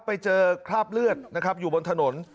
ไปเจอคราบเลือดนะครับอยู่บนถนน